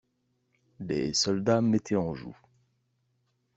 Les soldats mettaient en joue.